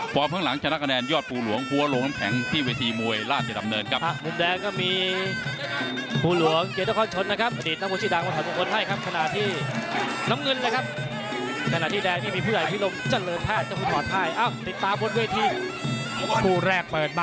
ข้างหลังชนะคะแนนยอดภูหลวงหัวลงน้ำแข็งที่เวทีมวยราชดำเนินครับ